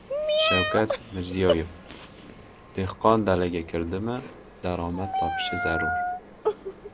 Shavkat Mirziyoyev: «Dehqon dalaga kirdimi, daromad topishi zarur»